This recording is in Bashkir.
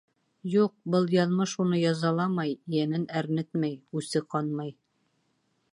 Юҡ, был яҙмыш уны язаламай, йәнен әрнетмәй, үсе ҡанмай.